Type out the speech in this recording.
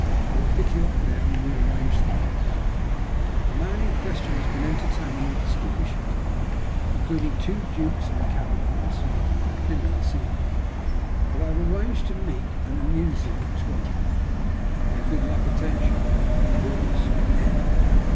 I will pick you up there, and will arrange the rest. The man in question has been entertaining a distinguished company, including two dukes and a Cabinet Minister, at dinner this evening, but I have arranged to meet and amuse him at twelve. May good luck attend you. '* Yours, N."